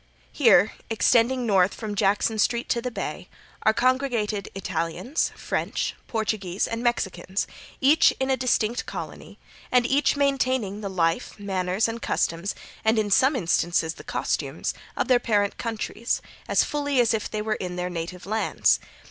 Here, extending north from Jackson street to the Bay, are congregated Italians, French, Portuguese and Mexicans, each in a distinct colony, and each maintaining the life, manners and customs, and in some instances the costumes, of the parent countries, as fully as if they were in their native lands.